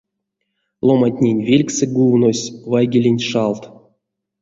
Ломантнень велькссэ гувнось вайгелень шалт.